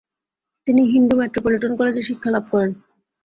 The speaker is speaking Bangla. তিনি হিন্দু মেট্রোপলিটন কলেজে শিক্ষালাভ করেন।